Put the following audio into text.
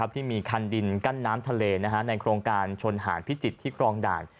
ที่มีคันดินกั้นน้ำทะเลในโครงการชนหารพิจิตรที่ครองด่าน